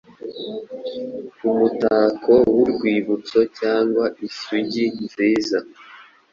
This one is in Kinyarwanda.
Umutako wurwibutso cyangwa isugi nziza